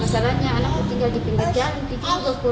masalahnya anakku tinggal di pinggir jalan di ginggo kurus